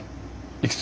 いくつ？